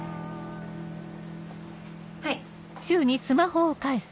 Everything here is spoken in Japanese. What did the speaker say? はい。